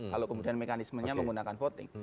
kalau kemudian mekanismenya menggunakan voting